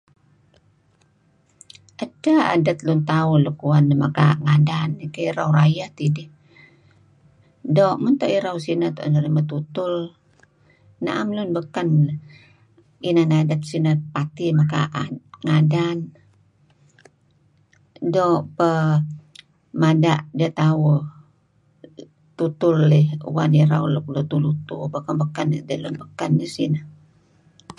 "Edteh adet lun tauh luk luwan deh kuh ""Mekaa' Ngadan"". Irau rayeh tidih. Doo' mento irau sineh tuen narih metutul. Naem lun baken inan adet sineh party mekaa' ngadan. Doo' peh mada' ditauh tutul eh wan irau nuk lutu-lutu beken-beken let ngen lun baken sineh. "